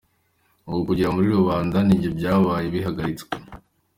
Ubu kugera muri rubanda kuri njye byabaye bihagaritswe."